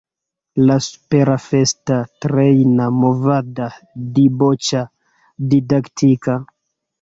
La supera festa, trejna, movada, diboĉa, didaktika